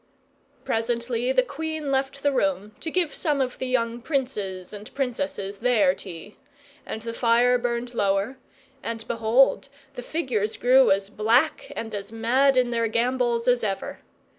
Presently the queen left the room to give some of the young princes and princesses their tea; and the fire burned lower, and behold, the figures grew as black and as mad in their gambols as ever!